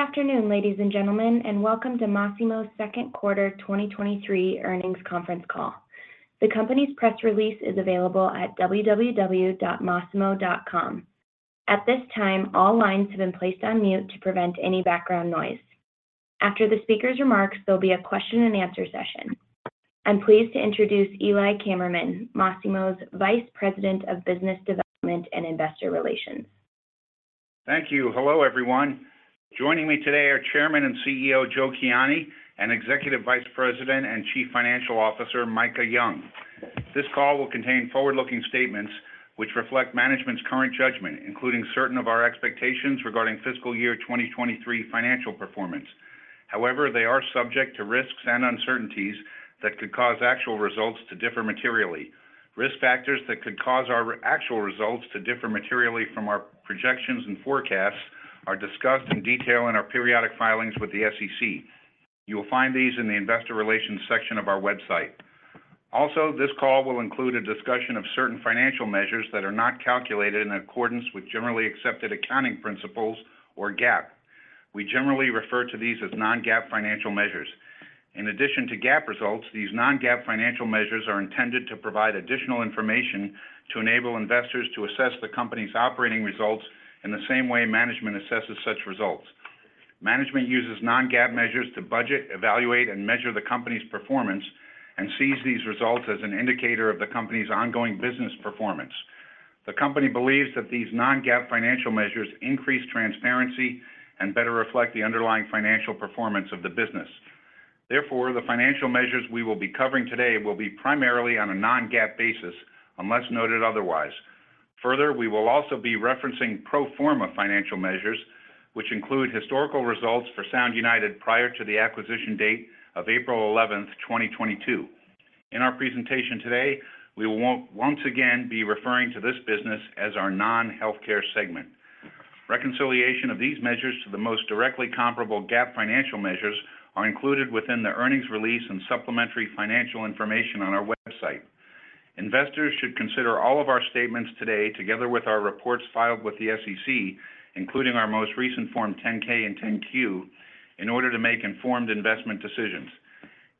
Good afternoon, ladies and gentlemen, and welcome to Masimo's second quarter 2023 earnings conference call. The company's press release is available at www.masimo.com. At this time, all lines have been placed on mute to prevent any background noise. After the speaker's remarks, there'll be a question and answer session. I'm pleased to introduce Eli Kammerman, Masimo's Vice President of Business Development and Investor Relations. Thank you. Hello, everyone. Joining me today are Chairman and CEO, Joe Kiani, and Executive Vice President and Chief Financial Officer, Micah Young. This call will contain forward-looking statements which reflect management's current judgment, including certain of our expectations regarding fiscal year 2023 financial performance. However, they are subject to risks and uncertainties that could cause actual results to differ materially. Risk factors that could cause our actual results to differ materially from our projections and forecasts are discussed in detail in our periodic filings with the SEC. You will find these in the investor relations section of our website. Also, this call will include a discussion of certain financial measures that are not calculated in accordance with generally accepted accounting principles or GAAP. We generally refer to these as non-GAAP financial measures. In addition to GAAP results, these non-GAAP financial measures are intended to provide additional information to enable investors to assess the company's operating results in the same way management assesses such results. Management uses non-GAAP measures to budget, evaluate, and measure the company's performance, and sees these results as an indicator of the company's ongoing business performance. The company believes that these non-GAAP financial measures increase transparency and better reflect the underlying financial performance of the business. Therefore, the financial measures we will be covering today will be primarily on a non-GAAP basis, unless noted otherwise. Further, we will also be referencing pro forma financial measures, which include historical results for Sound United prior to the acquisition date of April 11, 2022. In our presentation today, we will once again be referring to this business as our non-healthcare segment. Reconciliation of these measures to the most directly comparable GAAP financial measures are included within the earnings release and supplementary financial information on our website. Investors should consider all of our statements today, together with our reports filed with the SEC, including our most recent Form 10-K and 10-Q, in order to make informed investment decisions.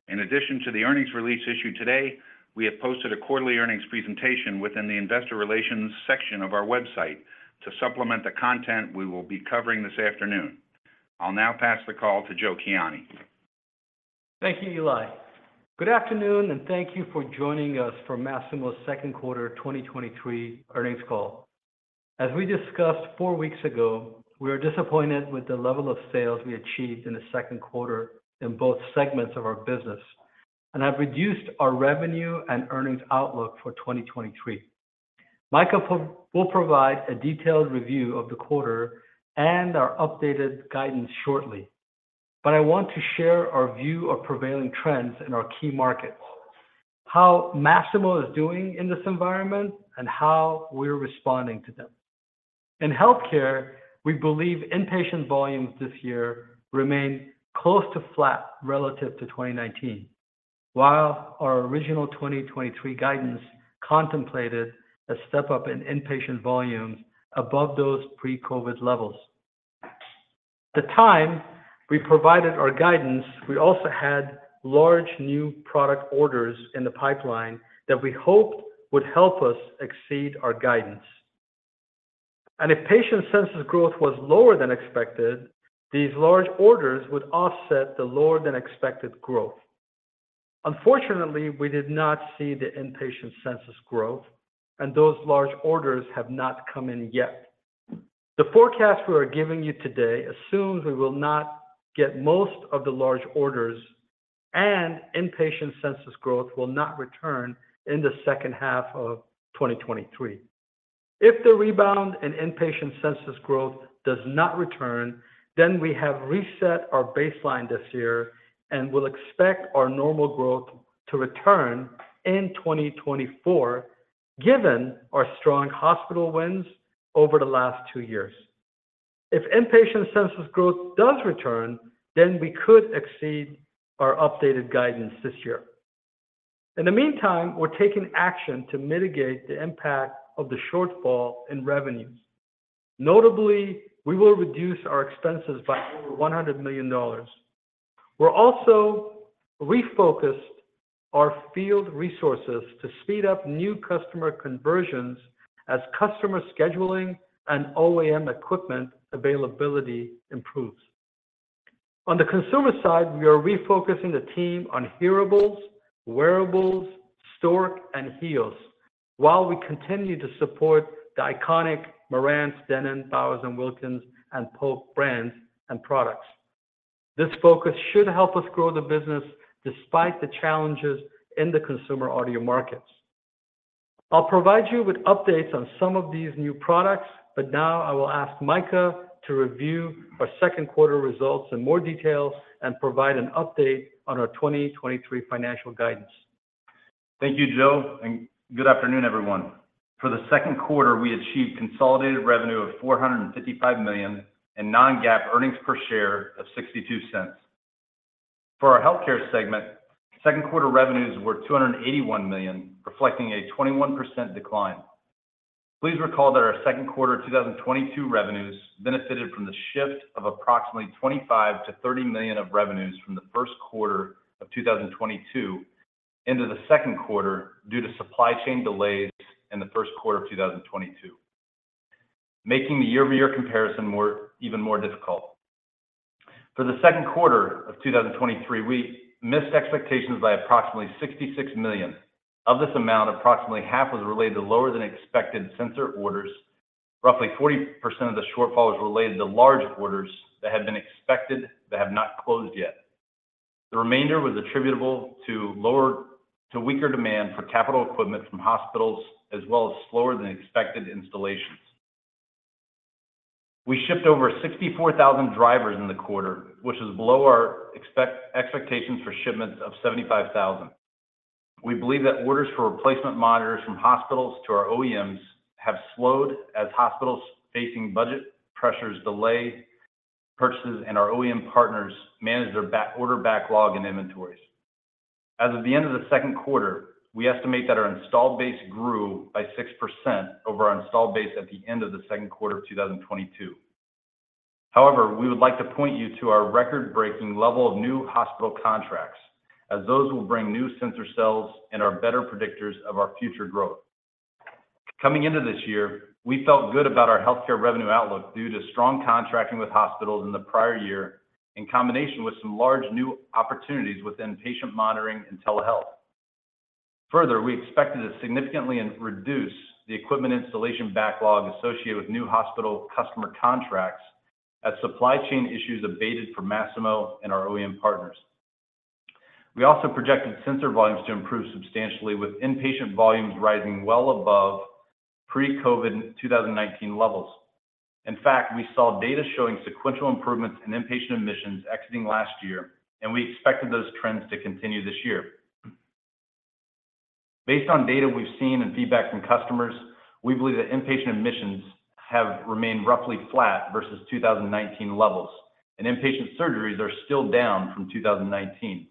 In addition to the earnings release issued today, we have posted a quarterly earnings presentation within the investor relations section of our website to supplement the content we will be covering this afternoon. I'll now pass the call to Joe Kiani. Thank you, Eli. Good afternoon, and thank you for joining us for Masimo's Q2 2023 earnings call. As we discussed four weeks ago, we are disappointed with the level of sales we achieved in the Q2 in both segments of our business, have reduced our revenue and earnings outlook for 2023. Micah will provide a detailed review of the quarter and our updated guidance shortly, I want to share our view of prevailing trends in our key markets, how Masimo is doing in this environment, and how we're responding to them. In healthcare, we believe inpatient volumes this year remain close to flat relative to 2019, while our original 2023 guidance contemplated a step up in inpatient volumes above those pre-COVID levels. At the time we provided our guidance, we also had large new product orders in the pipeline that we hoped would help us exceed our guidance. If patient census growth was lower than expected, these large orders would offset the lower than expected growth. Unfortunately, we did not see the inpatient census growth, and those large orders have not come in yet. The forecast we are giving you today assumes we will not get most of the large orders and inpatient census growth will not return in the second half of 2023. If the rebound in inpatient census growth does not return, then we have reset our baseline this year and will expect our normal growth to return in 2024, given our strong hospital wins over the last two years. If inpatient census growth does return, then we could exceed our updated guidance this year. In the meantime, we're taking action to mitigate the impact of the shortfall in revenues. Notably, we will reduce our expenses by over $100 million. We're also refocused our field resources to speed up new customer conversions as customer scheduling and OEM equipment availability improves. On the consumer side, we are refocusing the team on hearables, wearables, Stork, and HEOS, while we continue to support the iconic Marantz, Denon, Bowers & Wilkins, and Polk brands and products. This focus should help us grow the business despite the challenges in the consumer audio markets. I'll provide you with updates on some of these new products. Now I will ask Micah to review our Q2 results in more detail and provide an update on our 2023 financial guidance. Thank you, Joe, good afternoon, everyone. For the Q2, we achieved consolidated revenue of $455 million and non-GAAP earnings per share of $0.62. For our healthcare segment, Q2 revenues were $281 million, reflecting a 21% decline. Please recall that our Q2 2022 revenues benefited from the shift of approximately $25 million-$30 million of revenues from the Q1 of 2022 into the Q2 due to supply chain delays in the Q1 of 2022, making the year-over-year comparison even more difficult. For the Q2 of 2023, we missed expectations by approximately $66 million. Of this amount, approximately half was related to lower than expected sensor orders. Roughly 40% of the shortfall was related to large orders that had been expected that have not closed yet. The remainder was attributable to weaker demand for capital equipment from hospitals, as well as slower than expected installations. We shipped over 64,000 drivers in the quarter, which is below our expectations for shipments of 75,000. We believe that orders for replacement monitors from hospitals to our OEMs have slowed as hospitals facing budget pressures, delay purchases, and our OEM partners manage their back-order backlog and inventories. As of the end of the Q2, we estimate that our installed base grew by 6% over our installed base at the end of the Q2 of 2022. However, we would like to point you to our record-breaking level of new hospital contracts, as those will bring new sensor cells and are better predictors of our future growth. Coming into this year, we felt good about our healthcare revenue outlook due to strong contracting with hospitals in the prior year, in combination with some large new opportunities within patient monitoring and telehealth. Further, we expected to significantly reduce the equipment installation backlog associated with new hospital customer contracts as supply chain issues abated for Masimo and our OEM partners. We also projected sensor volumes to improve substantially, with inpatient volumes rising well above pre-COVID 2019 levels. In fact, we saw data showing sequential improvements in inpatient admissions exiting last year, and we expected those trends to continue this year. Based on data we've seen and feedback from customers, we believe that inpatient admissions have remained roughly flat versus 2019 levels, and inpatient surgeries are still down from 2019.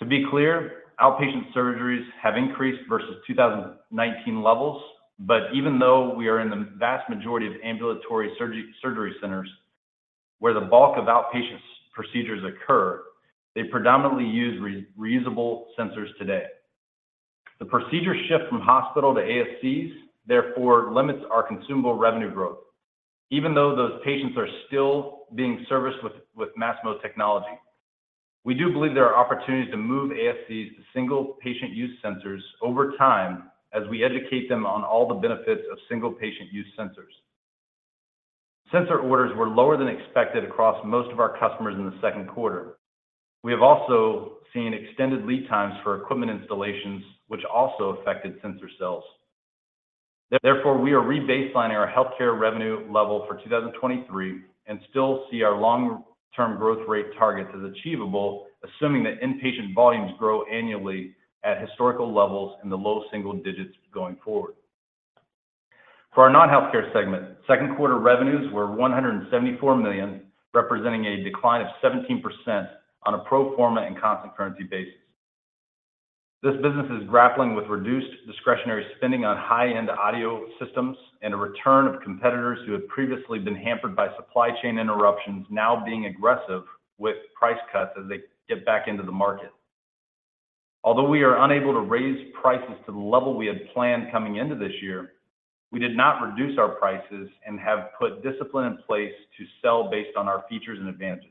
To be clear, outpatient surgeries have increased versus 2019 levels, but even though we are in the vast majority of ambulatory surgery centers, where the bulk of outpatient procedures occur, they predominantly use reusable sensors today. The procedure shift from hospital to ASCs, therefore, limits our consumable revenue growth, even though those patients are still being serviced with Masimo technology. We do believe there are opportunities to move ASCs to single patient use sensors over time as we educate them on all the benefits of single patient use sensors. Sensor orders were lower than expected across most of our customers in the Q2. We have also seen extended lead times for equipment installations, which also affected sensor sales. Therefore, we are rebaselining our healthcare revenue level for 2023 and still see our long-term growth rate targets as achievable, assuming that inpatient volumes grow annually at historical levels in the low single digits going forward. For our non-healthcare segment, Q2 revenues were $174 million, representing a decline of 17% on a pro forma and constant currency basis. This business is grappling with reduced discretionary spending on high-end audio systems and a return of competitors who had previously been hampered by supply chain interruptions, now being aggressive with price cuts as they get back into the market. Although we are unable to raise prices to the level we had planned coming into this year, we did not reduce our prices and have put discipline in place to sell based on our features and advantages.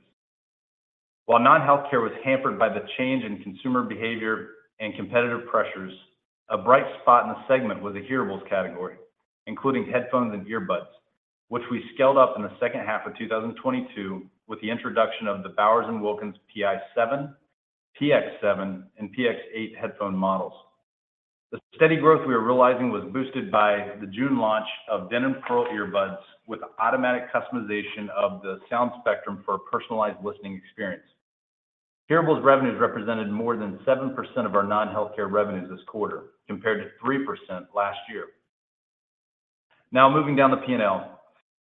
While non-healthcare was hampered by the change in consumer behavior and competitive pressures, a bright spot in the segment was the hearables category, including headphones and earbuds, which we scaled up in the second half of 2022 with the introduction of the Bowers & Wilkins Pi7, Px7, and Px8 headphone models. The steady growth we are realizing was boosted by the June launch of Denon PerL earbuds, with automatic customization of the sound spectrum for a personalized listening experience. Hearables revenues represented more than 7% of our non-healthcare revenues this quarter, compared to 3% last year. Moving down the P&L.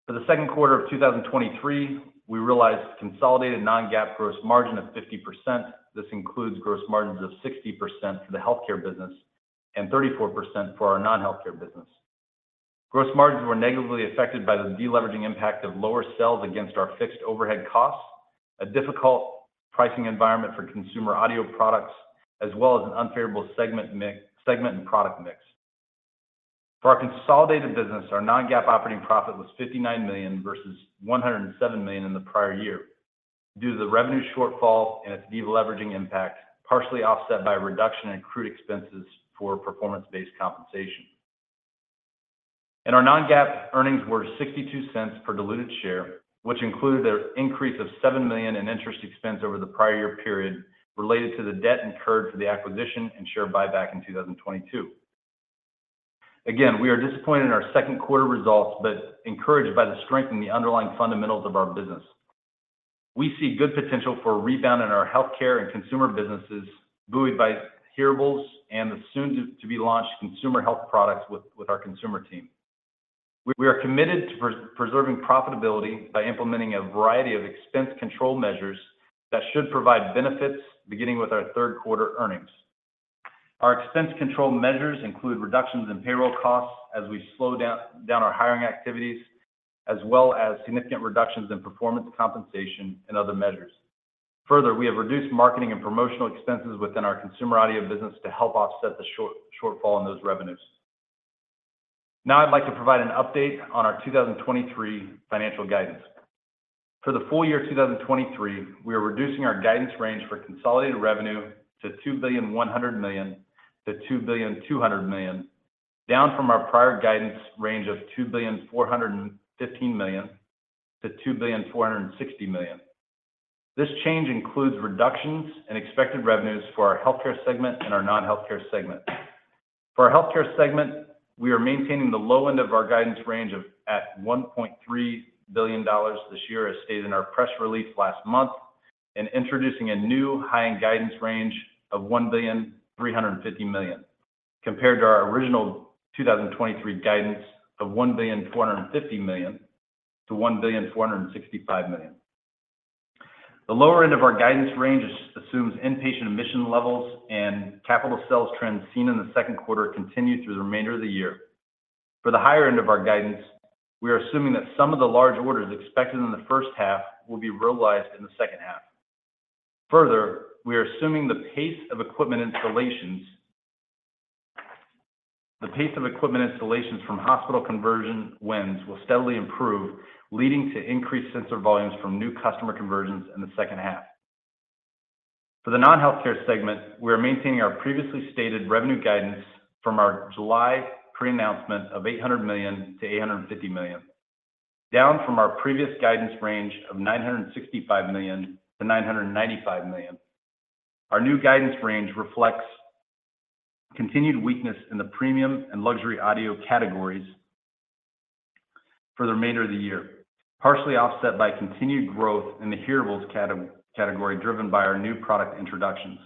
For the Q2 of 2023, we realized consolidated non-GAAP gross margin of 50%. This includes gross margins of 60% for the healthcare business and 34% for our non-healthcare business. Gross margins were negatively affected by the deleveraging impact of lower sales against our fixed overhead costs, a difficult pricing environment for consumer audio products, as well as an unfavorable segment mix- segment and product mix. For our consolidated business, our non-GAAP operating profit was $59 million versus $107 million in the prior year, due to the revenue shortfall and its deleveraging impact, partially offset by a reduction in accrued expenses for performance-based compensation. Our non-GAAP earnings were $0.62 per diluted share, which included an increase of $7 million in interest expense over the prior year period related to the debt incurred for the acquisition and share buyback in 2022. Again, we are disappointed in our Q2 results, but encouraged by the strength in the underlying fundamentals of our business. We see good potential for a rebound in our healthcare and consumer businesses, buoyed by hearables and the soon to be launched consumer health products with our consumer team. We are committed to preserving profitability by implementing a variety of expense control measures that should provide benefits beginning with our Q3 earnings. Our expense control measures include reductions in payroll costs as we slow down our hiring activities, as well as significant reductions in performance, compensation, and other measures. Further, we have reduced marketing and promotional expenses within our consumer audio business to help offset the shortfall in those revenues. Now, I'd like to provide an update on our 2023 financial guidance. For the full year 2023, we are reducing our guidance range for consolidated revenue to $2.1 billion-$2.2 billion, down from our prior guidance range of $2.415 billion-$2.46 billion. This change includes reductions in expected revenues for our healthcare segment and our non-healthcare segment. For our healthcare segment, we are maintaining the low end of our guidance range of at $1.3 billion this year, as stated in our press release last month, and introducing a new high-end guidance range of $1.35 billion, compared to our original 2023 guidance of $1.45 billion-$1.465 billion. The lower end of our guidance range assumes inpatient admission levels and capital sales trends seen in the Q2 continue through the remainder of the year. For the higher end of our guidance, we are assuming that some of the large orders expected in the first half will be realized in the second half. Further, we are assuming the pace of equipment installations from hospital conversion wins will steadily improve, leading to increased sensor volumes from new customer conversions in the second half. For the non-healthcare segment, we are maintaining our previously stated revenue guidance from our July pre-announcement of $800 million-$850 million, down from our previous guidance range of $965 million-$995 million. Our new guidance range reflects continued weakness in the premium and luxury audio categories for the remainder of the year, partially offset by continued growth in the hearables category, driven by our new product introductions.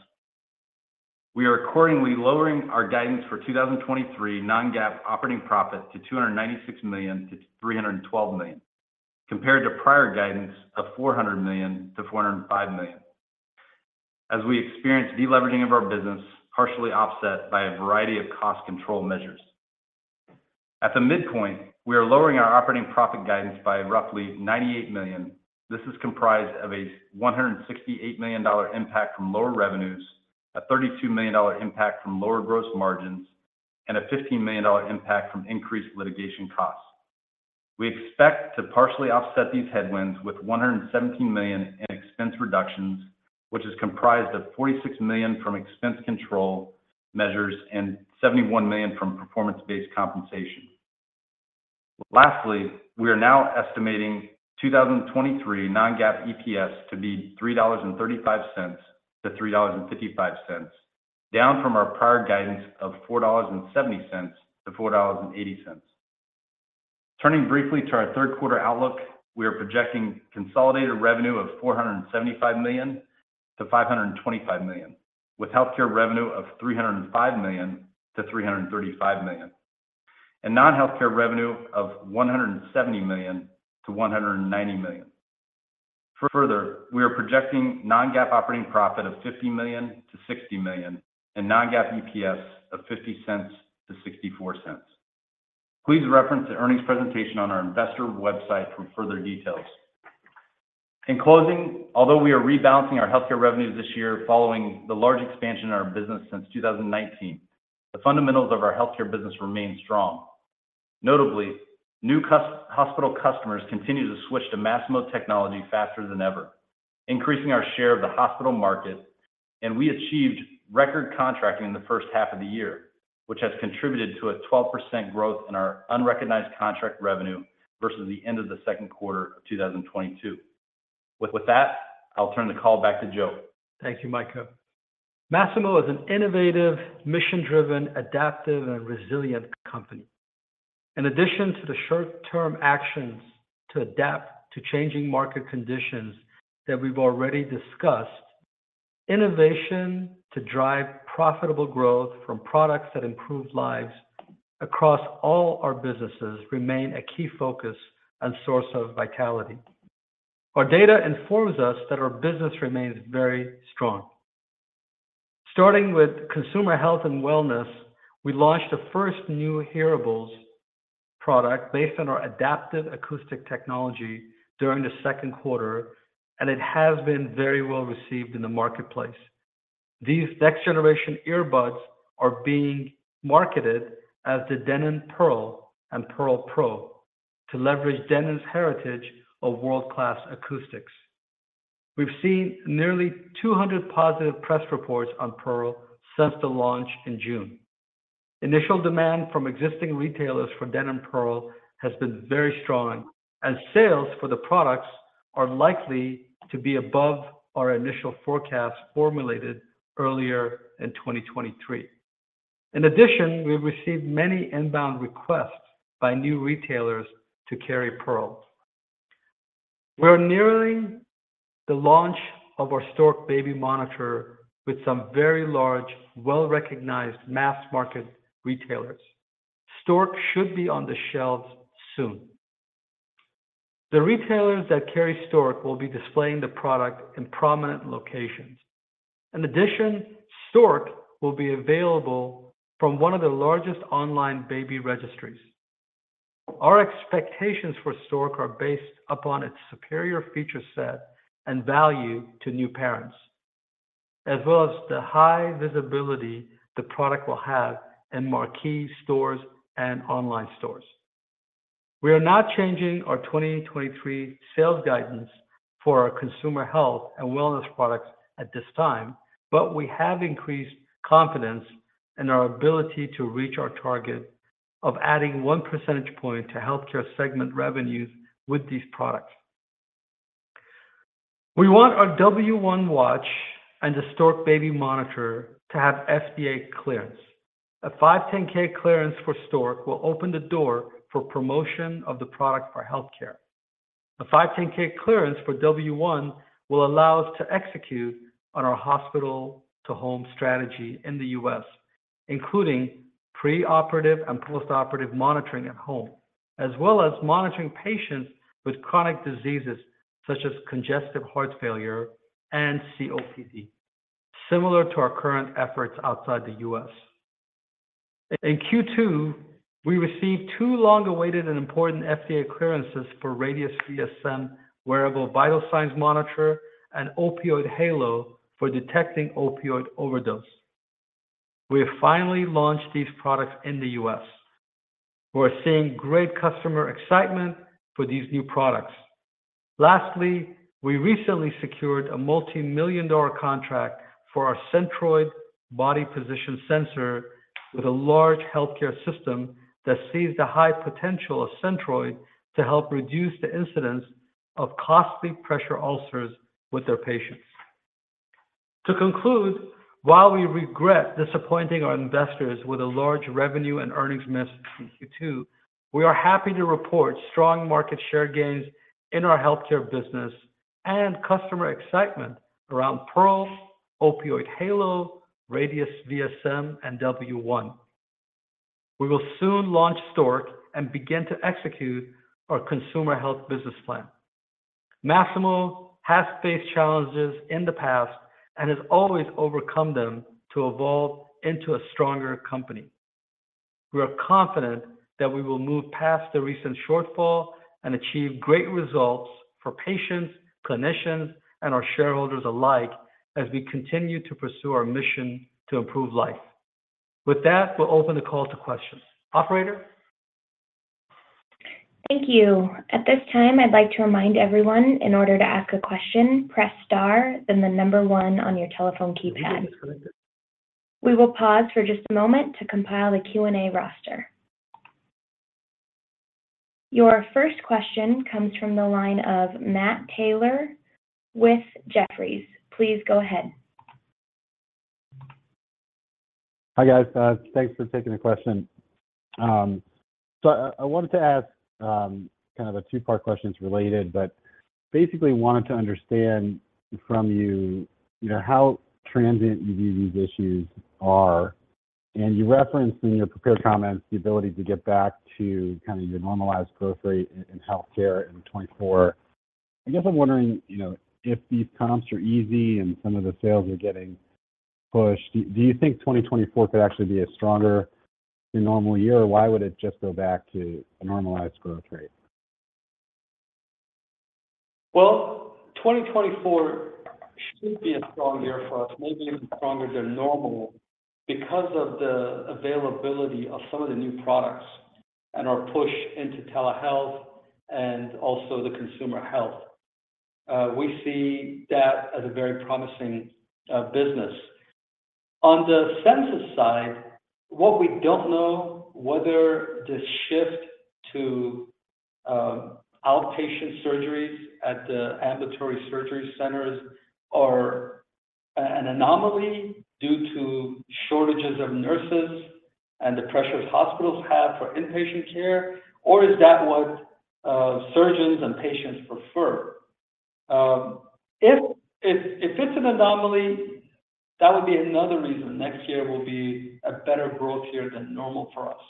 We are accordingly lowering our guidance for 2023 non-GAAP operating profit to $296 million-$312 million, compared to prior guidance of $400 million-$405 million. As we experience deleveraging of our business, partially offset by a variety of cost control measures. At the midpoint, we are lowering our operating profit guidance by roughly $98 million. This is comprised of a $168 million impact from lower revenues, a $32 million impact from lower gross margins, and a $15 million impact from increased litigation costs. We expect to partially offset these headwinds with $117 million in expense reductions, which is comprised of $46 million from expense control measures and $71 million from performance-based compensation. Lastly, we are now estimating 2023 non-GAAP EPS to be $3.35-$3.55, down from our prior guidance of $4.70-$4.80. Turning briefly to our Q3 outlook, we are projecting consolidated revenue of $475 million-$525 million, with healthcare revenue of $305 million-$335 million, and non-healthcare revenue of $170 million-$190 million. Further, we are projecting non-GAAP operating profit of $50 million-$60 million and non-GAAP EPS of $0.50-$0.64. Please reference the earnings presentation on our investor website for further details. In closing, although we are rebalancing our healthcare revenues this year following the large expansion in our business since 2019, the fundamentals of our healthcare business remain strong. Notably, new hospital customers continue to switch to Masimo technology faster than ever, increasing our share of the hospital market, and we achieved record contracting in the first half of the year, which has contributed to a 12% growth in our unrecognized contract revenue versus the end of the Q2 of 2022. With that, I'll turn the call back to Joe. Thank you, Micah. Masimo is an innovative, mission-driven, adaptive, and resilient company. In addition to the short-term actions to adapt to changing market conditions that we've already discussed, innovation to drive profitable growth from products that improve lives across all our businesses remain a key focus and source of vitality. Our data informs us that our business remains very strong. Starting with consumer health and wellness, we launched the first new hearables product based on our adaptive acoustic technology during the Q2. It has been very well received in the marketplace. These next-generation earbuds are being marketed as the Denon PerL and PerL Pro to leverage Denon's heritage of world-class acoustics. We've seen nearly 200 positive press reports on PerL since the launch in June. Initial demand from existing retailers for Denon PerL has been very strong, sales for the products are likely to be above our initial forecast formulated earlier in 2023. In addition, we have received many inbound requests by new retailers to carry PerL. We're nearing the launch of our Stork baby monitor with some very large, well-recognized, mass-market retailers. Stork should be on the shelves soon. The retailers that carry Stork will be displaying the product in prominent locations. In addition, Stork will be available from one of the largest online baby registries. Our expectations for Stork are based upon its superior feature set and value to new parents, as well as the high visibility the product will have in marquee stores and online stores. We are not changing our 2023 sales guidance for our consumer health and wellness products at this time, but we have increased confidence in our ability to reach our target of adding one percentage point to healthcare segment revenues with these products. We want our W1 watch and the Stork baby monitor to have FDA clearance. A 510(k) clearance for Stork will open the door for promotion of the product for healthcare. A 510(k) clearance for W1 will allow us to execute on our hospital-to-home strategy in the U.S., including preoperative and postoperative monitoring at home, as well as monitoring patients with chronic diseases such as congestive heart failure and COPD, similar to our current efforts outside the U.S. In Q2, we received two long-awaited and important FDA clearances for Radius VSM, wearable vital signs monitor, and Opioid Halo for detecting opioid overdose. We have finally launched these products in the US. We're seeing great customer excitement for these new products. Lastly, we recently secured a multimillion-dollar contract for our Centroid body position sensor with a large healthcare system that sees the high potential of Centroid to help reduce the incidence of costly pressure ulcers with their patients. To conclude, while we regret disappointing our investors with a large revenue and earnings miss in Q2, we are happy to report strong market share gains in our healthcare business and customer excitement around PerL, Opioid Halo, Radius VSM, and W1. We will soon launch Stork and begin to execute our consumer health business plan. Masimo has faced challenges in the past and has always overcome them to evolve into a stronger company. We are confident that we will move past the recent shortfall and achieve great results for patients, clinicians, and our shareholders alike as we continue to pursue our mission to improve life. With that, we'll open the call to questions. Operator? Thank you. At this time, I'd like to remind everyone, in order to ask a question, press star, then the number one on your telephone keypad. We will pause for just a moment to compile a Q&A roster. Your first question comes from the line of Matt Taylor with Jefferies. Please go ahead. Hi, guys. Thanks for taking the question. I, I wanted to ask kind of a two-part question. It's related, but basically wanted to understand from you, you know, how transient you view these issues are. You referenced in your prepared comments, the ability to get back to kind of your normalized growth rate in, in healthcare in 2024. I guess I'm wondering, you know, if these comps are easy and some of the sales are getting pushed, do, do you think 2024 could actually be a stronger than normal year, or why would it just go back to a normalized growth rate? Well, 2024 should be a strong year for us, maybe even stronger than normal, because of the availability of some of the new products and our push into telehealth and also the consumer health. We see that as a very promising business. On the census side, what we don't know whether the shift to outpatient surgeries at the Ambulatory Surgery Centers are an anomaly due to shortages of nurses and the pressure hospitals have for inpatient care, or is that what surgeons and patients prefer? If, if, if it's an anomaly, that would be another reason next year will be a better growth year than normal for us.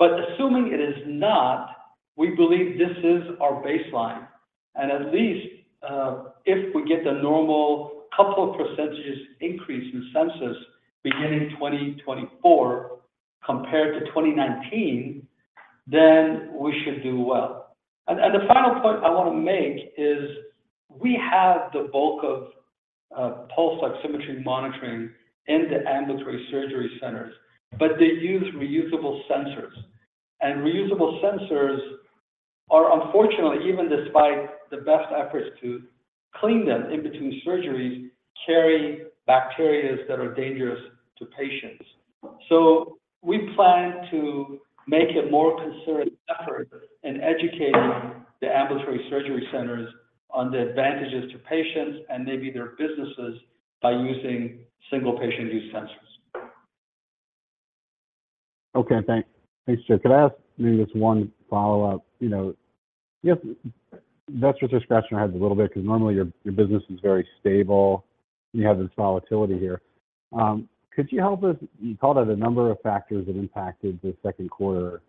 Assuming it is not, we believe this is our baseline. At least, if we get the normal couple of percentages increase in census beginning 2024 compared to 2019, then we should do well. The final point I want to make is we have the bulk of pulse oximetry monitoring in the ambulatory surgery centers, but they use reusable sensors. Reusable sensors are unfortunately, even despite the best efforts to clean them in between surgeries, carry bacteria that are dangerous to patients. We plan to make a more concerted effort in educating the ambulatory surgery centers on the advantages to patients and maybe their businesses by using single-patient use sensors. Okay, thanks. Thanks, Joe. Could I ask maybe just one follow-up? You know, just that's what scratching our heads a little bit, 'cause normally your, your business is very stable, and you have this volatility here. Could you help us, you called out a number of factors that impacted the Q2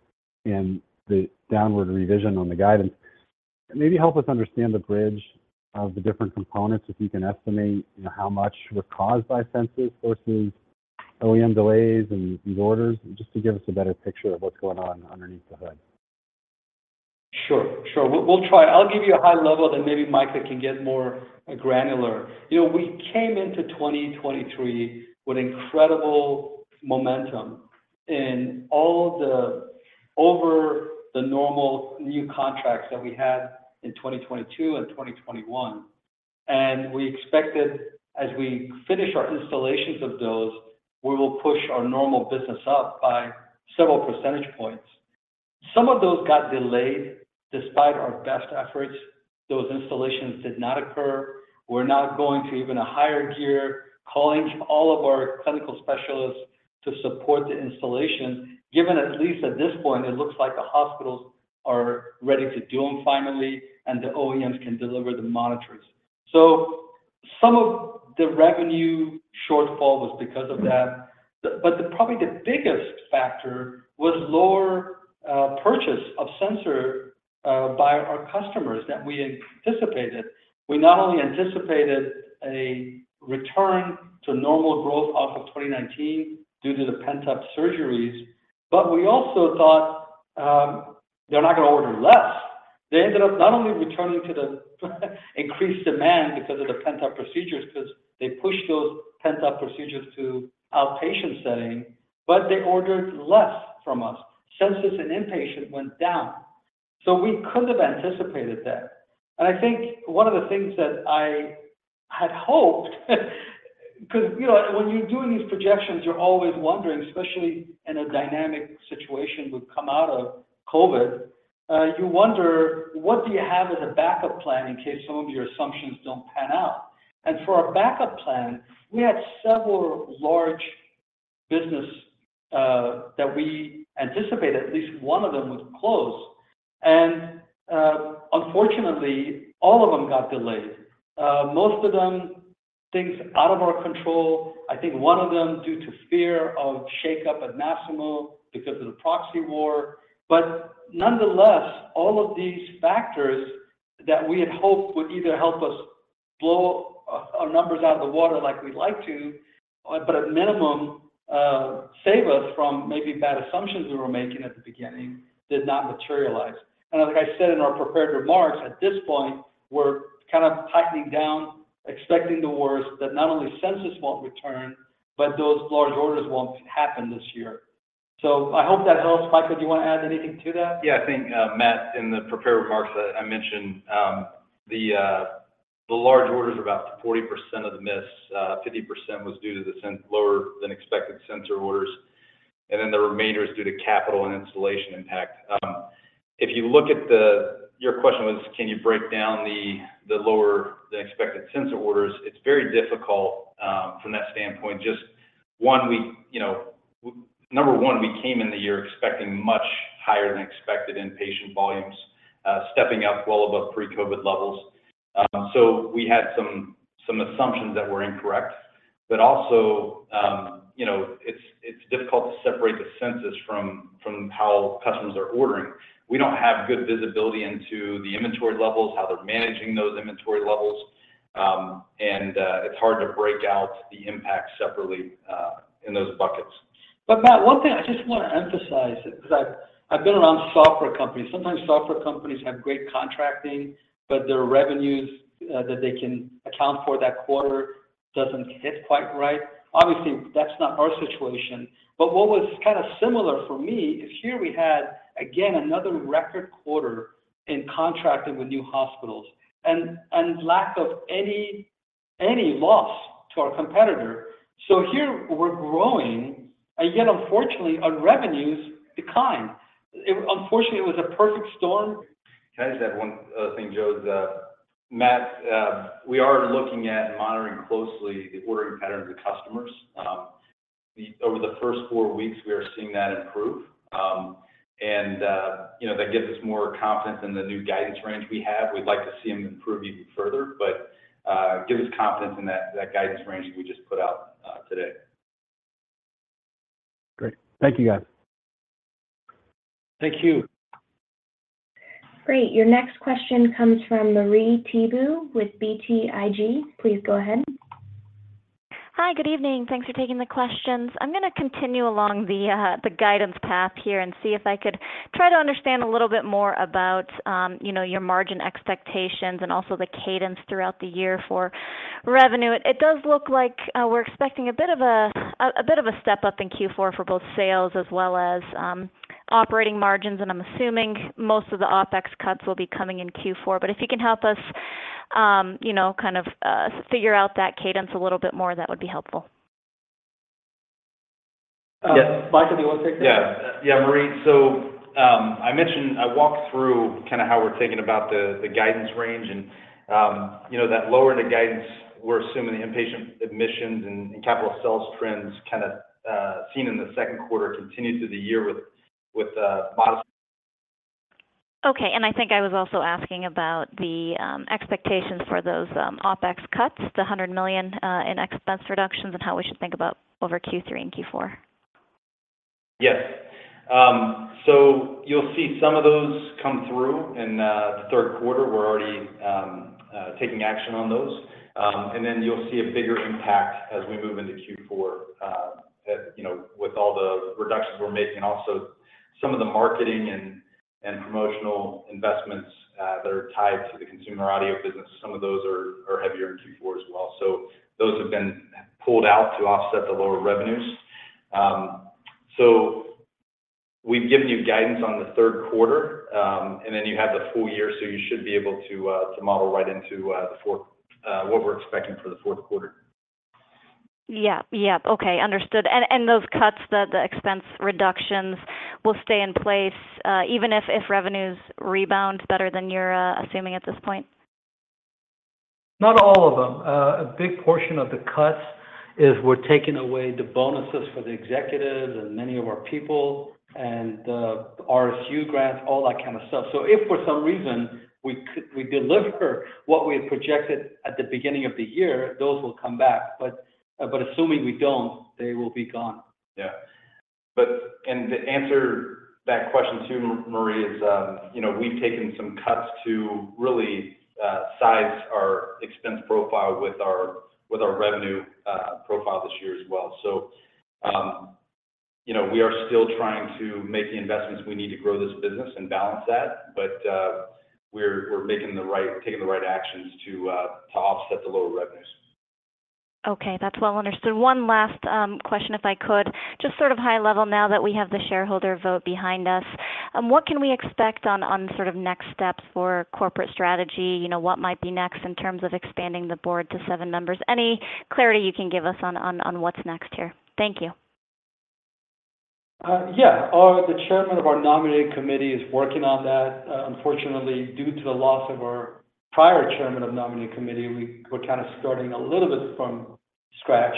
and the downward revision on the guidance. Maybe help us understand the bridge of the different components, if you can estimate, you know, how much were caused by census versus OEM delays and, and orders, just to give us a better picture of what's going on underneath the hood. Sure, sure. We'll, we'll try. I'll give you a high level, then maybe Micah can get more granular. You know, we came into 2023 with incredible momentum in all of the over the normal new contracts that we had in 2022 and 2021. We expected as we finish our installations of those, we will push our normal business up by several percentage points. Some of those got delayed despite our best efforts. Those installations did not occur. We're now going to even a higher gear, calling all of our clinical specialists to support the installation, given, at least at this point, it looks like the hospitals are ready to do them finally, and the OEMs can deliver the monitors. Some of the revenue shortfall was because of that. The, probably the biggest factor was lower, purchase of sensor, by our customers than we anticipated. We not only anticipated a return to normal growth off of 2019 due to the pent-up surgeries, but we also thought, they're not going to order less. They ended up not only returning to the increased demand because of the pent-up procedures, 'cause they pushed those pent-up procedures to outpatient setting, but they ordered less from us. Census and inpatient went down, we could have anticipated that. I think one of the things that I had hoped, 'cause, you know, when you're doing these projections, you're always wondering, especially in a dynamic situation, we've come out of COVID, you wonder, what do you have as a backup plan in case some of your assumptions don't pan out? For our backup plan, we had several large business that we anticipated. At least one of them would close, and, unfortunately, all of them got delayed. Most of them, things out of our control. I think one of them due to fear of shakeup at Masimo because of the proxy war. Nonetheless, all of these factors that we had hoped would either help us blow our, our numbers out of the water like we'd like to, but at minimum, save us from maybe bad assumptions we were making at the beginning, did not materialize. Like I said in our prepared remarks, at this point, we're kind of tightening down, expecting the worst, that not only census won't return, but those large orders won't happen this year. I hope that helps. Micah, do you want to add anything to that? Yeah, I think, Matt, in the prepared remarks that I mentioned, the large orders are about 40% of the miss, 50% was due to the lower than expected sensor orders, and then the remainder is due to capital and installation impact. Your question was, can you break down the lower than expected sensor orders? It's very difficult, from that standpoint, you know, number one, we came in the year expecting much higher than expected in patient volumes, stepping up well above pre-COVID levels. We had some, some assumptions that were incorrect, but also, you know, it's difficult to separate the census from how customers are ordering. We don't have good visibility into the inventory levels, how they're managing those inventory levels, and it's hard to break out the impact separately in those buckets. Matt, one thing I just want to emphasize, because I've, I've been around software companies. Sometimes software companies have great contracting, but their revenues that they can account for that quarter doesn't hit quite right. Obviously, that's not our situation. What was kind of similar for me is here we had, again, another record quarter in contracting with new hospitals and, and lack of any, any loss to our competitor. Here we're growing, and yet, unfortunately, our revenues declined. Unfortunately, it was a perfect storm. Can I just add one thing, Joe? The Matt, we are looking at monitoring closely the ordering patterns of customers. Over the first four weeks, we are seeing that improve. You know, that gives us more confidence in the new guidance range we have. We'd like to see them improve even further, give us confidence in that, that guidance range we just put out today. Great. Thank you, guys. Thank you. Great. Your next question comes from Marie Thibault with BTIG. Please go ahead. Hi, good evening. Thanks for taking the questions. I'm going to continue along the the guidance path here and see if I could try to understand a little bit more about, you know, your margin expectations and also the cadence throughout the year for revenue. It does look like we're expecting a bit of a bit of a step up in Q4 for both sales as well as operating margins, and I'm assuming most of the OpEx cuts will be coming in Q4. If you can help us, you know, kind of figure out that cadence a little bit more, that would be helpful. Micah, do you want to take that? Yeah. Yeah, Marie. I mentioned, I walked through kind of how we're thinking about the, the guidance range and, you know, that lower end of guidance, we're assuming the inpatient admissions and, and capital sales trends kind of, seen in the Q2 continue through the year with, with, modest- Okay, I think I was also asking about the expectations for those OpEx cuts, the $100 million in expense reductions, and how we should think about over Q3 and Q4. Yes. You'll see some of those come through in the Q3. We're already taking action on those. Then you'll see a bigger impact as we move into Q4 as, you know, with all the reductions we're making. Also, some of the marketing and promotional investments that are tied to the consumer audio business, some of those are heavier in Q4 as well. Those have been pulled out to offset the lower revenues. We've given you guidance on the Q3, then you have the full year, you should be able to model right into the fourth what we're expecting for the Q4. Yep. Yep. Okay, understood. Those cuts, the expense reductions will stay in place, even if revenues rebound better than you're assuming at this point? Not all of them. A big portion of the cuts is we're taking away the bonuses for the executives and many of our people and the RSU grants, all that kind of stuff. If for some reason we deliver what we had projected at the beginning of the year, those will come back. But assuming we don't, they will be gone. Yeah. To answer that question, too, Marie, is, you know, we've taken some cuts to really size our expense profile with our, with our revenue profile this year as well. You know, we are still trying to make the investments we need to grow this business and balance that, but we're making the right, taking the right actions to offset the lower revenues. Okay, that's well understood. One last question, if I could. Just sort of high level now that we have the shareholder vote behind us, what can we expect on, on sort of next steps for corporate strategy? You know, what might be next in terms of expanding the board to seven members? Any clarity you can give us on, on, on what's next here? Thank you. Yeah. The chairman of our nominating committee is working on that. Unfortunately, due to the loss of our prior chairman of the nominating committee, we're kind of starting a little bit from scratch.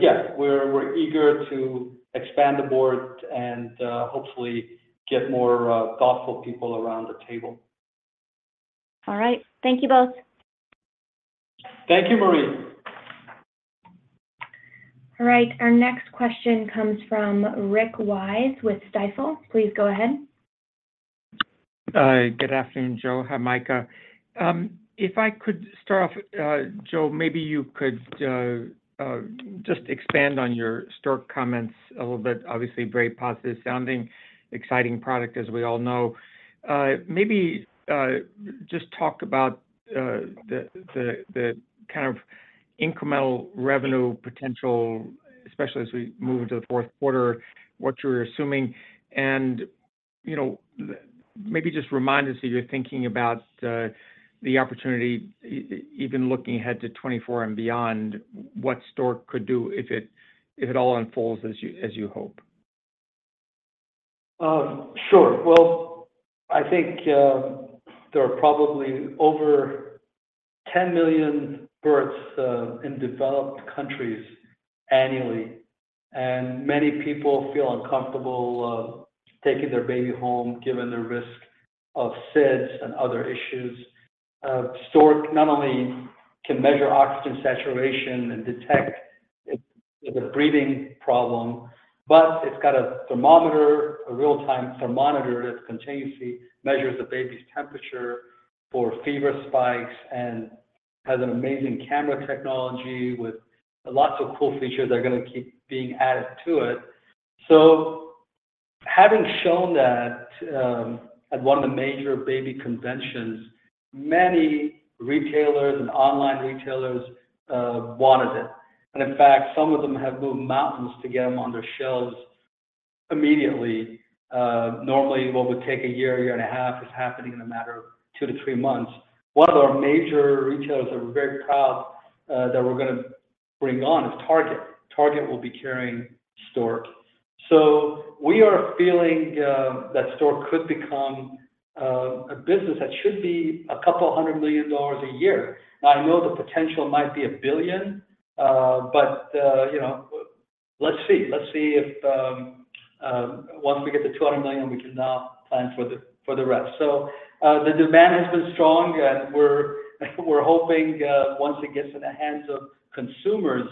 Yes, we're, we're eager to expand the board and hopefully get more thoughtful people around the table. All right. Thank you both. Thank you, Marie. All right, our next question comes from Rick Wise with Stifel. Please go ahead. Good afternoon, Joe. Hi, Micah. If I could start off, Joe, maybe you could just expand on your Stork comments a little bit. Obviously, very positive sounding, exciting product, as we all know. Maybe just talk about the kind of incremental revenue potential, especially as we move into the Q4, what you're assuming. You know, maybe just remind us of your thinking about the opportunity even looking ahead to 2024 and beyond, what Stork could do if it, if it all unfolds as you, as you hope. Sure. Well, I think, there are probably over 10 million births, in developed countries annually, and many people feel uncomfortable, taking their baby home, given the risk of SIDS and other issues. Stork not only can measure oxygen saturation and detect if, if a breathing problem, but it's got a thermometer, a real-time thermometer, that continuously measures the baby's temperature for fever spikes and has an amazing camera technology with lots of cool features that are gonna keep being added to it. Having shown that, at one of the major baby conventions, many retailers and online retailers, wanted it. In fact, some of them have moved mountains to get them on their shelves immediately. Normally, what would take a year, a year and a half, is happening in a matter of two to three months. One of our major retailers that we're very proud, that we're gonna bring on is Target. Target will be carrying Stork. We are feeling that Stork could become a business that should be $200 million a year. I know the potential might be $1 billion, you know, let's see. Let's see if, once we get to $200 million, we can now plan for the, for the rest. The demand has been strong, and we're, we're hoping, once it gets in the hands of consumers,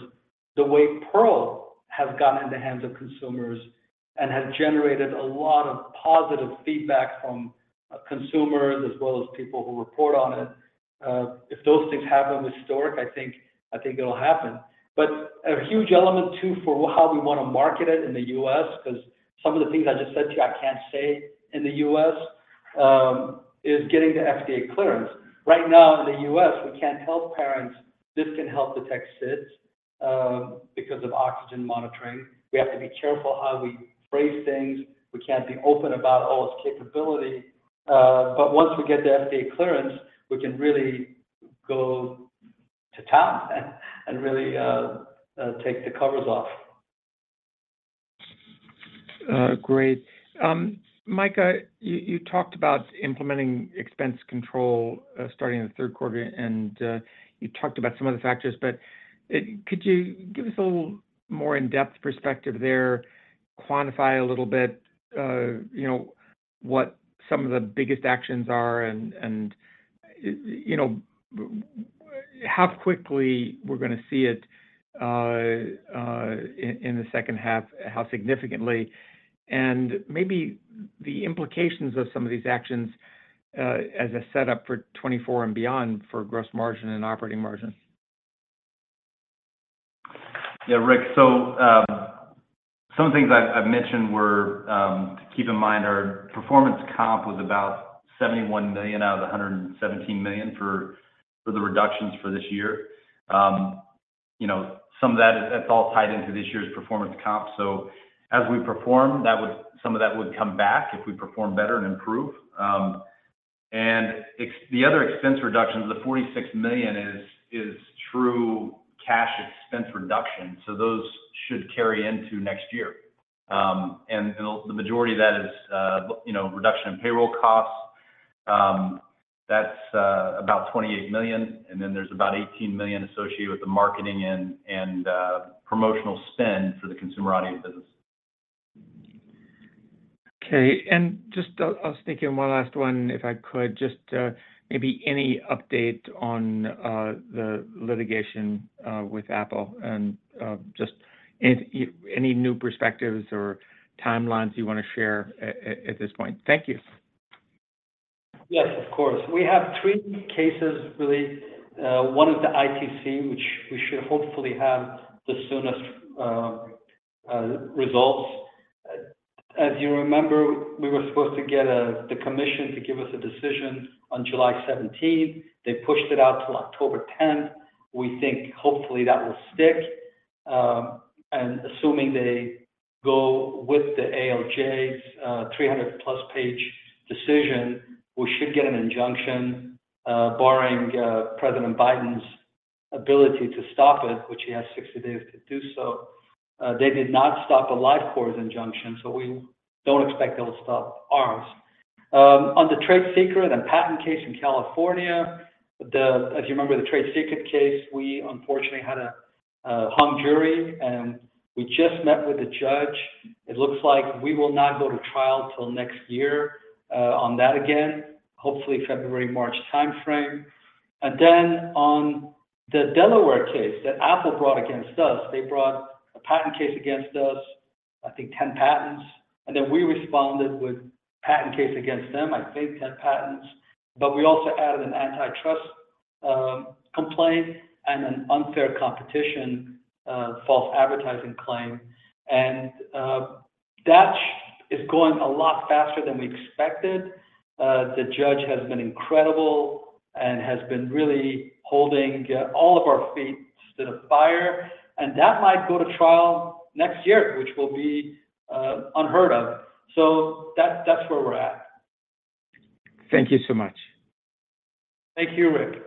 the way PerL has gotten in the hands of consumers and has generated a lot of positive feedback from consumers as well as people who report on it. If those things happen with Stork, I think, I think it'll happen. A huge element, too, for how we wanna market it in the US, 'cause some of the things I just said to you, I can't say in the US, is getting the FDA clearance. Right now in the US, we can't tell parents this can help detect SIDS, because of oxygen monitoring. We have to be careful how we phrase things. We can't be open about all its capability. Once we get the FDA clearance, we can really go to town and, and really, take the covers off. Great. Micah, you, you talked about implementing expense control, starting in the third Q3, and you talked about some of the factors, but could you give us a little more in-depth perspective there, quantify a little bit, you know, what some of the biggest actions are and, you know, how quickly we're gonna see it in the second half, how significantly, and maybe the implications of some of these actions, as a setup for 2024 and beyond for gross margin and operating margin? Yeah, Rick. Some things I've mentioned were, to keep in mind, our performance comp was about $71 million out of $117 million for the reductions for this year. You know, some of that is, that's all tied into this year's performance comp. As we perform, that would, some of that would come back if we perform better and improve. And the other expense reductions, the $46 million is true cash expense reduction, so those should carry into next year. And the majority of that is, you know, reduction in payroll costs. That's about $28 million, and then there's about $18 million associated with the marketing and promotional spend for the consumer audio business. Okay, and just, I was thinking one last one, if I could. Just, maybe any update on the litigation with Apple, and just any, any new perspectives or timelines you want to share at this point? Thank you. Yes, of course. We have three cases, really. one is the ITC, which we should hopefully have the soonest results. As you remember, we were supposed to get the commission to give us a decision on July 17th. They pushed it out to October 10th. We think hopefully that will stick. Assuming they go with the ALJ's 300 plus page decision, we should get an injunction, barring President Biden's ability to stop it, which he has 60 days to do so. They did not stop the AliveCor's injunction, so we don't expect they'll stop ours. On the trade secret and patent case in California, if you remember the trade secret case, we unfortunately had a hung jury, and we just met with the judge. It looks like we will not go to trial till next year on that again, hopefully February, March timeframe. Then on the Delaware case that Apple brought against us, they brought a patent case against us, I think 10 patents, and then we responded with patent case against them, I think 10 patents. We also added an antitrust complaint and an unfair competition false advertising claim, and that is going a lot faster than we expected. The judge has been incredible and has been really holding all of our feet to the fire, and that might go to trial next year, which will be unheard of. That's, that's where we're at. Thank you so much. Thank you, Rick.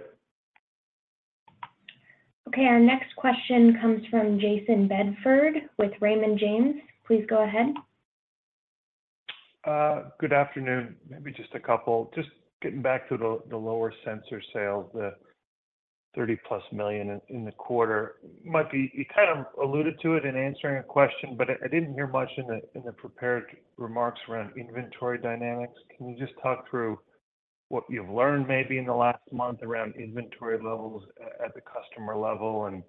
Okay, our next question comes from Jayson Bedford with Raymond James. Please go ahead. Good afternoon. Maybe just a couple. Just getting back to the, the lower sensor sales, the $30+ million in, in the quarter. Mike, you, you kind of alluded to it in answering a question, but I, I didn't hear much in the, in the prepared remarks around inventory dynamics. Can you just talk through what you've learned maybe in the last month around inventory levels at the customer level, and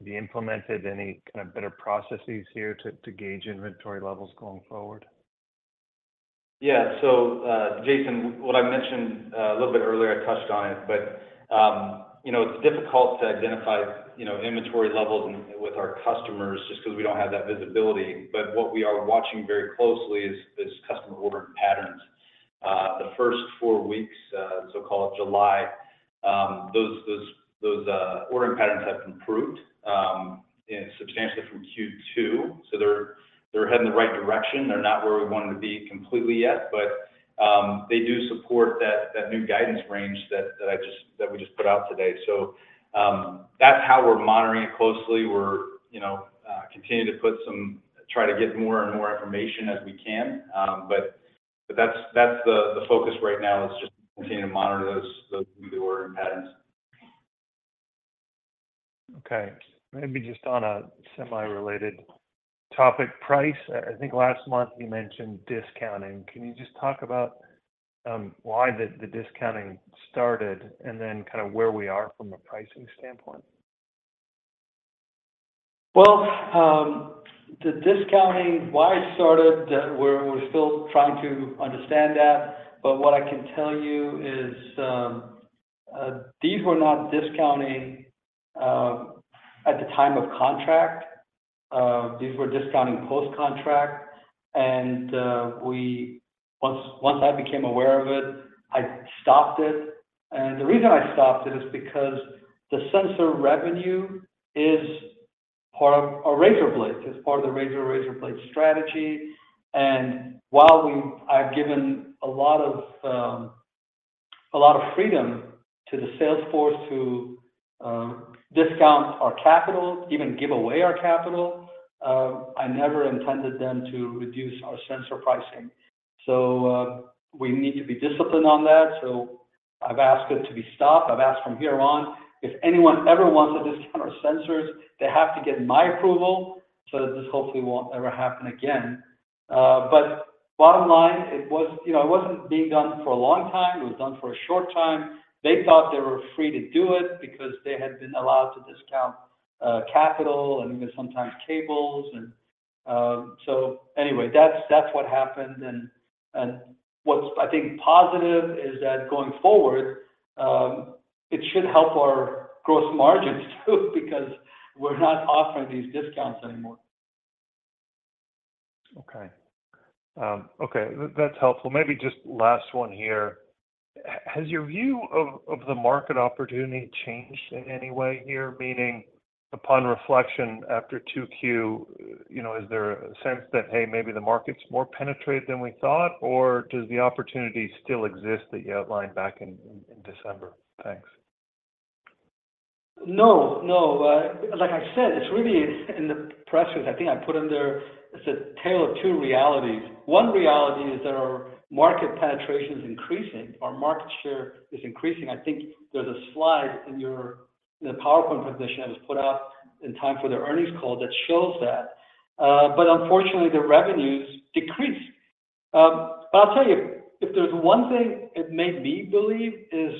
have you implemented any kind of better processes here to, to gauge inventory levels going forward? Yeah. Jayson, what I mentioned a little bit earlier, I touched on it, but, you know, it's difficult to identify, you know, inventory levels with our customers just 'cause we don't have that visibility. What we are watching very closely is, is customer ordering patterns. The first four weeks, so-called July, those, those, those ordering patterns have improved and substantially from Q2. They're, they're heading in the right direction. They're not where we want 'em to be completely yet, but they do support that, that new guidance range that we just put out today. That's how we're monitoring it closely. We're, you know, continuing to try to get more and more information as we can. That's, that's the, the focus right now, is just continuing to monitor those, those new ordering patterns. Okay. Maybe just on a semi-related topic, price. I think last month you mentioned discounting. Can you just talk about, why the, the discounting started, and then kind of where we are from a pricing standpoint? Well, the discounting, why it started, we're, we're still trying to understand that. What I can tell you is, these were not discounting at the time of contract. These were discounting post-contract, and we, once, once I became aware of it, I stopped it. The reason I stopped it is because the sensor revenue is part of a razor blade. It's part of the razor, razor blade strategy. While we, I've given a lot of, a lot of freedom to the sales force to discount our capital, even give away our capital, I never intended them to reduce our sensor pricing. We need to be disciplined on that, so I've asked it to be stopped. I've asked from here on, if anyone ever wants to discount our sensors, they have to get my approval so that this hopefully won't ever happen again. Bottom line, it was, you know, it wasn't being done for a long time. It was done for a short time. They thought they were free to do it because they had been allowed to discount capital and even sometimes cables. Anyway, that's, that's what happened. What's, I think, positive is that going forward, it should help our gross margins, too, because we're not offering these discounts anymore. Okay. Okay, that's helpful. Maybe just last one here. Has your view of, of the market opportunity changed in any way here? Meaning, upon reflection after Q2, you know, is there a sense that, hey, maybe the market's more penetrated than we thought, or does the opportunity still exist that you outlined back in, in December? Thanks. No, no. Like I said, it's really in the press release, I think I put in there, it's a tale of two realities. One reality is that our market penetration is increasing, our market share is increasing. I think there's a slide in your, the PowerPoint presentation that was put out in time for the earnings call that shows that. Unfortunately, the revenues decreased. I'll tell you, if there's one thing it made me believe, is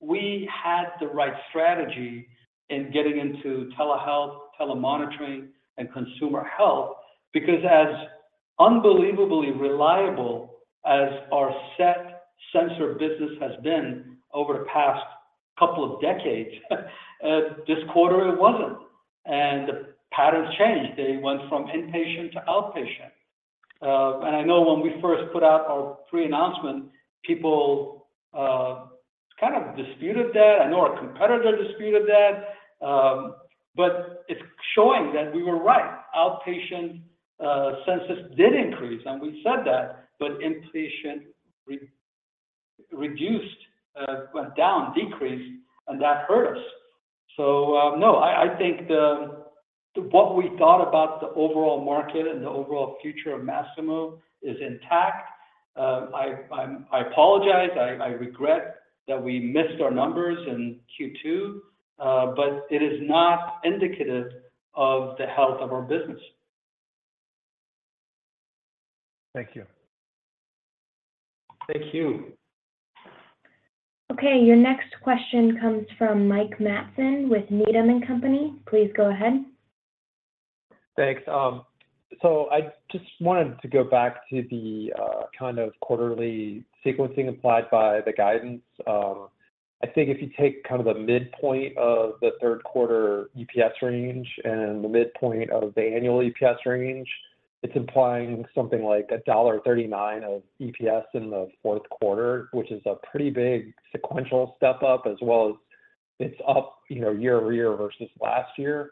we had the right strategy in getting into telehealth, telemonitoring, and consumer health. Because as unbelievably reliable as our set sensor business has been over the past couple of decades, this quarter, it wasn't, and the patterns changed. They went from inpatient to outpatient. I know when we first put out our pre-announcement, people kind of disputed that. I know our competitor disputed that. It's showing that we were right. Outpatient census did increase, and we said that, but inpatient re-reduced, went down, decreased, and that hurt us. No, I, I think the, what we thought about the overall market and the overall future of Masimo is intact. I, I'm, I apologize, I, I regret that we missed our numbers in Q2. It is not indicative of the health of our business. Thank you. Thank you. Okay, your next question comes from Mike Matson with Needham & Company. Please go ahead. Thanks. I just wanted to go back to the kind of quarterly sequencing implied by the guidance. I think if you take kind of the midpoint of the Q3 EPS range and the midpoint of the annual EPS range, it's implying something like $1.39 of EPS in the Q4, which is a pretty big sequential step up, as well as it's up, you know, year-over-year versus last year.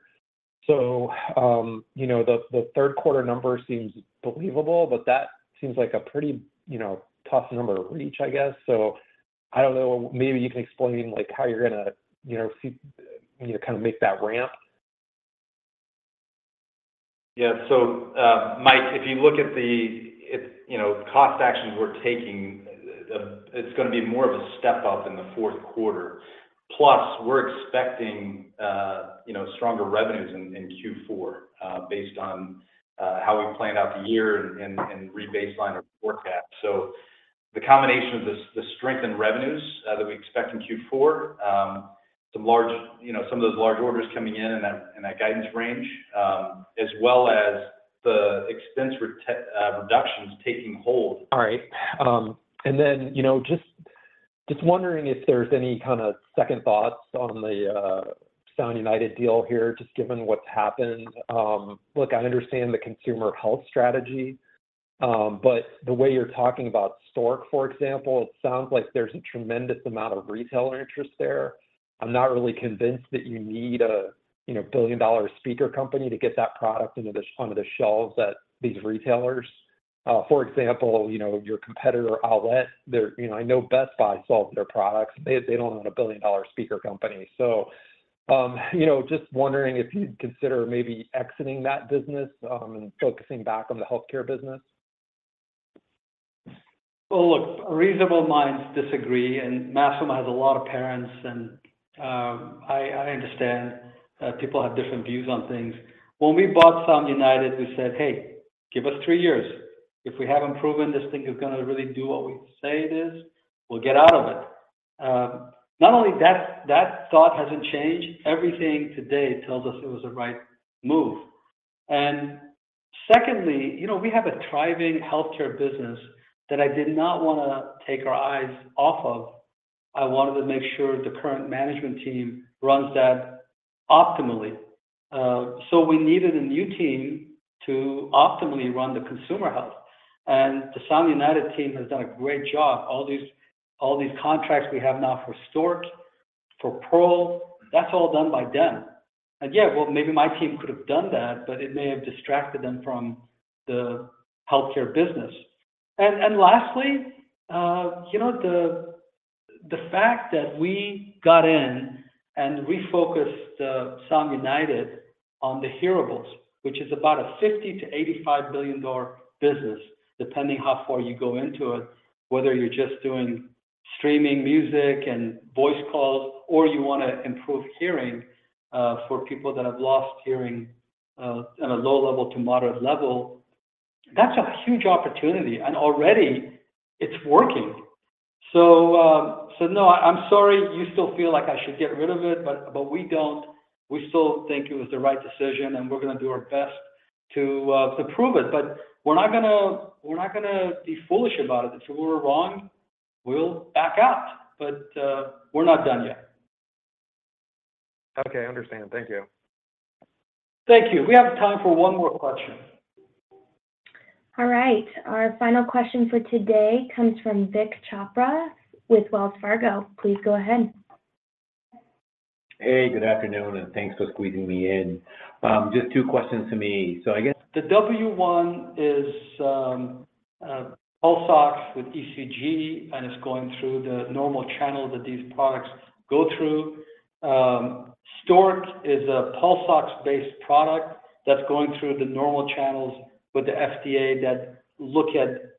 You know, the Q3 number seems believable, but that seems like a pretty, you know, tough number to reach, I guess. I don't know, maybe you can explain, like, how you're gonna, you know, see, you know, kind of make that ramp. Yeah. Mike, if you look at the, it, you know, cost actions we're taking, it's gonna be more of a step up in the Q4. Plus, we're expecting, you know, stronger revenues in Q4, based on how we planned out the year and, and, and rebaseline our forecast. The combination of the, the strength in revenues that we expect in Q4, some large, you know, some of those large orders coming in and that, and that guidance range, as well as the expense reductions taking hold. All right. Then, just wondering if there's any kind of second thoughts on the Sound United deal here, just given what's happened. I understand the consumer health strategy, but the way you're talking about Stork, for example, it sounds like there's a tremendous amount of retailer interest there. I'm not really convinced that you need a billion-dollar speaker company to get that product into the, onto the shelves at these retailers. Your competitor, Owlet, they're, you know, I know Best Buy sells their products. They, they don't want a billion-dollar speaker company. Just wondering if you'd consider maybe exiting that business, and focusing back on the healthcare business. Well, look, reasonable minds disagree, and Masimo has a lot of parents, and I, I understand people have different views on things. When we bought Sound United, we said, "Hey, give us three years. If we haven't proven this thing is gonna really do what we say it is, we'll get out of it." Not only that, that thought hasn't changed, everything today tells us it was the right move. Secondly, you know, we have a thriving healthcare business that I did not wanna take our eyes off of. I wanted to make sure the current management team runs that optimally. We needed a new team to optimally run the consumer health, and the Sound United team has done a great job. All these, all these contracts we have now for Stork, for PerL, that's all done by them. Yeah, well, maybe my team could have done that, but it may have distracted them from the healthcare business. Lastly, you know, the fact that we got in and refocused Sound United on the hearables, which is about a $50 billion-$85 billion business, depending how far you go into it, whether you're just streaming music and voice calls, or you want to improve hearing for people that have lost hearing at a low level to moderate level, that's a huge opportunity, and already it's working. No, I'm sorry you still feel like I should get rid of it, but, but we don't. We still think it was the right decision, and we're gonna do our best to prove it. We're not gonna, we're not gonna be foolish about it. If we're wrong, we'll back out, but we're not done yet. Okay, I understand. Thank you. Thank you. We have time for one more question. All right. Our final question for today comes from Vik Chopra with Wells Fargo. Please go ahead. Hey, good afternoon, thanks for squeezing me in. Just two questions to me. The W1 is a pulse ox with ECG, it's going through the normal channel that these products go through. Stork is a pulse ox-based product that's going through the normal channels with the FDA that look at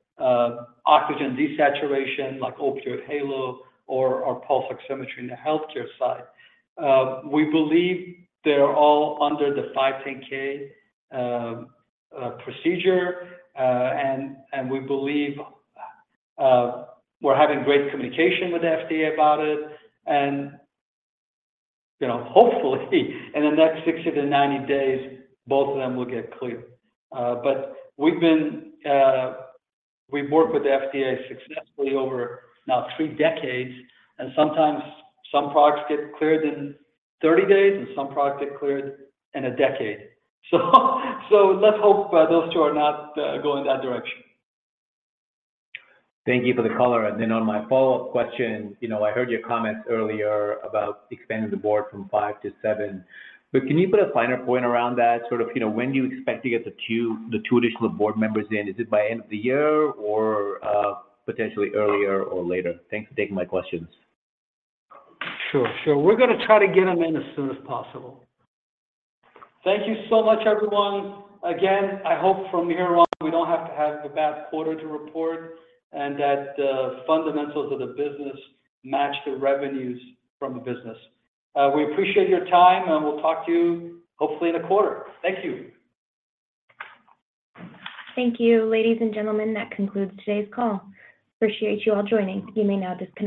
oxygen desaturation, like Opioid Halo or pulse oximetry in the healthcare side. We believe they're all under the 510(k) procedure, and we believe we're having great communication with the FDA about it, you know, hopefully, in the next 60 to 90 days, both of them will get cleared. We've been, we've worked with the FDA successfully over now three decades, and sometimes some products get cleared in 30 days, and some products get cleared in one decade. Let's hope those two are not going that direction. Thank you for the color. Then on my follow-up question, you know, I heard your comments earlier about expanding the board from five to seven. Can you put a finer point around that? Sort of, you know, when do you expect to get the two, the two additional board members in? Is it by end of the year or, potentially earlier or later? Thanks for taking my questions. Sure, sure. We're gonna try to get them in as soon as possible. Thank you so much, everyone. Again, I hope from here on, we don't have to have a bad quarter to report, and that the fundamentals of the business match the revenues from the business. We appreciate your time, and we'll talk to you hopefully in a quarter. Thank you. Thank you, ladies and gentlemen. That concludes today's call. Appreciate you all joining. You may now disconnect.